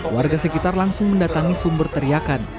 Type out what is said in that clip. warga sekitar langsung mendatangi sumber teriakan